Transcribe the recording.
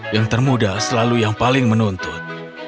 yang termuda selalu yang paling menuntut